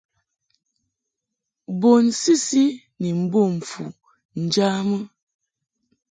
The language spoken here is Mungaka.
Bun sisi ni mbom fu njamɨ.